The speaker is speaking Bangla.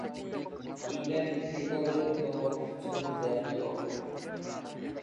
ইংল্যান্ড ক্রিকেট দলের অন্যতম সদস্য ছিলেন জ্যাক ইয়ং।